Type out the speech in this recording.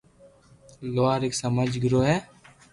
"لوهار"" هڪ سماجي گروه ھي"